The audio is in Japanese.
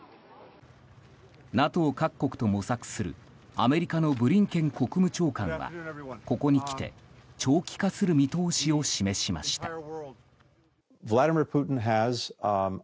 各国と模索するアメリカのブリンケン国務長官はここに来て長期化する見通しを示しました。